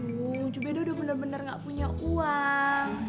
wuh jubeda udah bener bener gak punya uang